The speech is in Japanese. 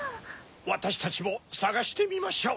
わたしたちもさがしてみましょう。